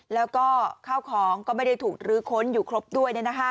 แล้วก็ข้าวของก็ไม่ได้ถูกลื้อค้นอยู่ครบด้วย